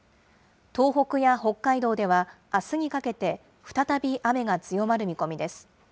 東北や北海道ではあすにかけて、再び雨が強まる見込みです。